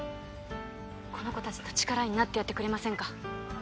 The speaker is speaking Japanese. この子達の力になってやってくれませんか？